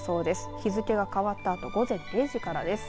日付が変わったあと午前０時からです。